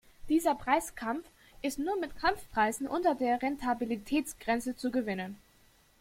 Dieser Preiskampf ist nur mit Kampfpreisen unter der Rentabilitätsgrenze zu gewinnen.